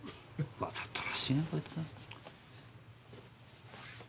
わざとらしいなこいつ。